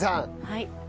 はい。